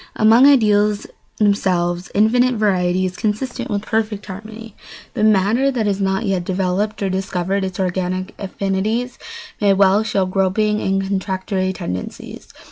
Among ideals themselves infinite variety is consistent with perfect harmony, but matter that has not yet developed or discovered its organic affinities may well show groping and contradictory tendencies.